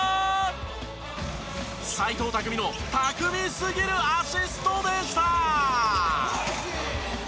齋藤拓実の巧みすぎるアシストでした。